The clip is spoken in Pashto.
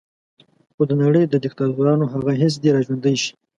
خو د نړۍ د دیکتاتورانو هغه حس دې را ژوندی شي.